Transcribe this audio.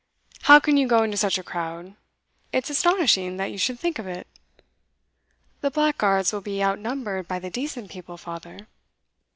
How can you go into such a crowd? It's astonishing that you should think of it.' 'The blackguards will be outnumbered by the decent people, father.